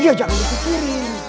ya jangan berpikir